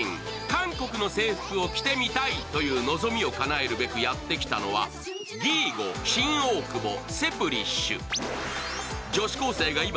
韓国の制服を着てみたいという希みをかなえるべくやってきたのはＧｉＧＯ新大久保「ＳＥＰＵＲＩＳＨ」。